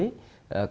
cộng đồng khởi nghiệp